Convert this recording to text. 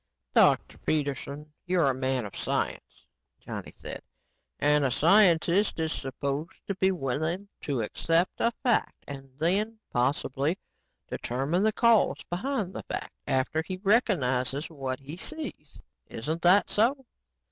"Dr. Peterson you're a man of science," Johnny said, "and a scientist is supposed to be willing to accept a fact and then, possibly determine the causes behind the fact after he recognizes what he sees. Isn't that so?"